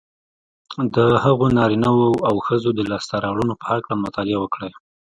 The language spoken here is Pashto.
د هغو نارینهوو او ښځو د لاسته رواړنو په هکله مطالعه وکړئ